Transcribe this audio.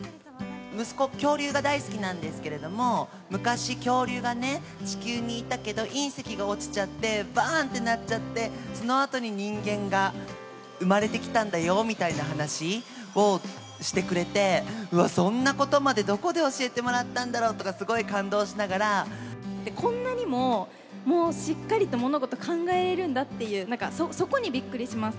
息子、恐竜が大好きなんですけれども、昔、恐竜がね、地球にいたけど、隕石が落ちちゃって、ばーんってなっちゃって、そのあとに人間が生まれてきたんだよみたいな話をしてくれて、うわ、そんなことまでどこで教えてもらったんだろうとか、すごい感動しこんなにももう、しっかりと物事考えるんだっていう、なんか、そこにびっくりします。